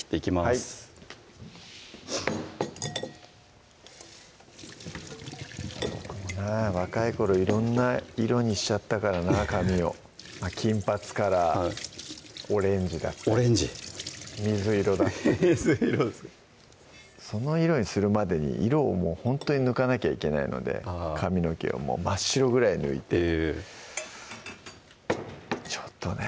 はい若い頃色んな色にしちゃったからなぁ髪を金髪からオレンジだったりオレンジ水色だったり水色ですかその色にするまでに色をほんとに抜かなきゃいけないので髪の毛を真っ白ぐらい抜いてへぇちょっとね